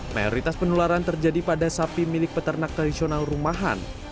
mayoritas penularan terjadi pada sapi milik peternak tradisional rumahan